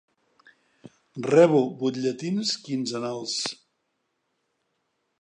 Rebo butlletins quinzenals.